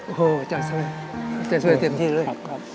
โอ้โฮจัดเสวยเจ็บที่เลย